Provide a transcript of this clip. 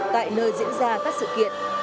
tại nơi diễn ra các sự kiện